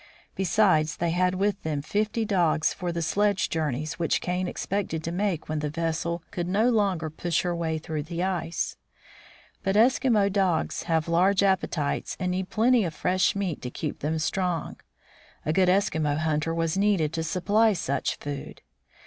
Besides, they had with them about fifty dogs for the sledge journeys which Kane expected to make when the vessel could no 34 THE FROZEN NORTH longer push her way through the ice. But Eskimo dogs have large appetites and need plenty of fresh meat to keep them strong ; a good Eskimo hunter was needed to supply such food.